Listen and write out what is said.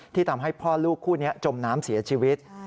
ทำให้พ่อลูกคู่นี้จมน้ำเสียชีวิต